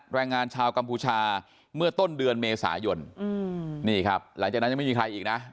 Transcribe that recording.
แรงงานชาวกัมพูชาเมื่อต้นเดือนเมษายนนี่ครับหลังจากนั้นยังไม่มีใครอีกนะ